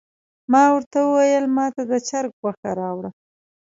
ما ورته وویل ماته د چرګ غوښه راوړه.